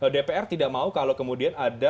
dpr tidak mau kalau kemudian ada